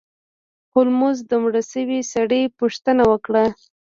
هولمز د مړ شوي سړي پوښتنه وکړه.